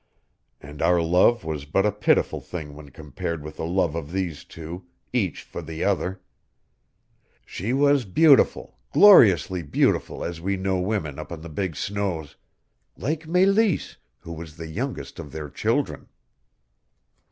And our love was but a pitiful thing when compared with the love of these two, each for the other. She was beautiful, gloriously beautiful as we know women up in the big snows; like Meleese, who was the youngest of their children.